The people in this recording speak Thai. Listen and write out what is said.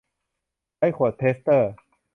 ใช้ขวดเทสเตอร์